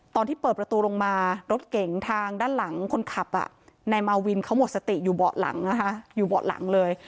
ตอนที่เปิดประตูลงมารถเก๋งทางด้านหลังคนขับนายมาวินเขาหมดสติอยู่เบาะหลังเลย